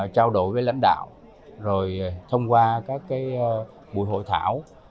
trao đổi với lãnh đạo rồi thông qua các buổi hội thảo